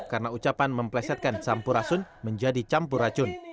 karena ucapan memplesetkan sampurasun menjadi campur racun